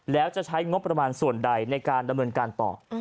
แล้วจะใช้งบประมาณส่วนใดในการดำเนินการต่อ